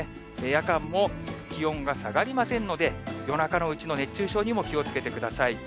夜間も気温が下がりませんので、夜中のうちの熱中症にも気をつけてください。